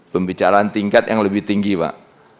pembicaraan tingkat yang lebih tinggi pak